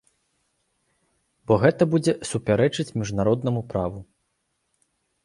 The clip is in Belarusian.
Бо гэта будзе супярэчыць міжнароднаму праву.